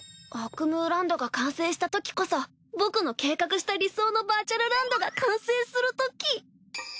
アクムーランドが完成したときこそ僕の計画した理想のバーチャルランドが完成するとき